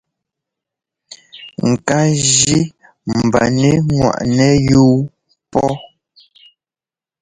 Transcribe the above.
Ŋká jí mba nɛ́ ŋwaʼnɛ́ yuu pɔ́.